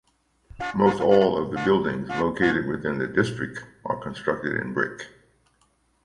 Most all of the buildings located within the district are constructed in brick.